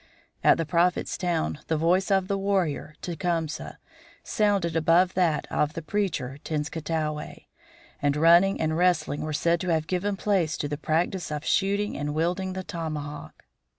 At the Prophet's town the voice of the warrior, Tecumseh, sounded above that of the preacher, Tenskwatawa; and running and wrestling were said to have given place to the practice of shooting and wielding the tomahawk.